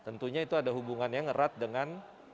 nah tentunya itu ada hubungannya ngerat dengan sabta peristiwa